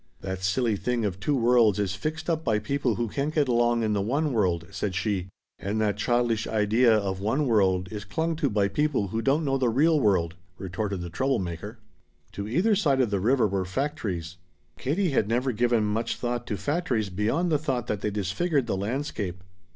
"That silly thing of two worlds is fixed up by people who can't get along in the one world," said she. "And that childish idea of one world is clung to by people who don't know the real world," retorted the trouble maker. To either side of the river were factories. Katie had never given much thought to factories beyond the thought that they disfigured the landscape.